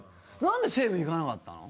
なんで西武に行かなかったの？